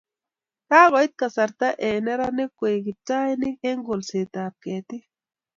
kakoit kasarta eng neranik koik kiptainik eng kolsetab ketiik